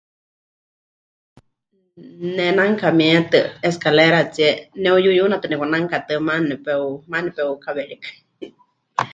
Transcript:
Ne ne'anukamietɨ escaleratsie neheuyuyunatɨ nekwananukatɨa maana nepeu... maana nepeukawe rikɨ.